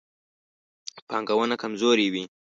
پانګونه کمزورې وي.